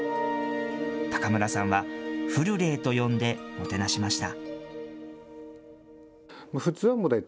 高村さんはフルレーと呼んで、もてなしました。